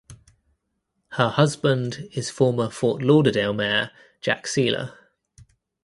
Her husband is former Fort Lauderdale mayor Jack Seiler.